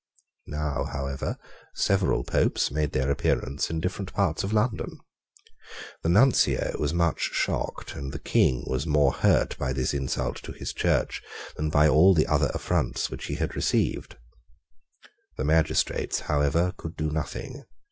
Now, however, several Popes made their appearance in different parts of London. The Nuncio was much shocked; and the King was more hurt by this insult to his Church than by all the other affronts which he had received. The magistrates, however, could do nothing.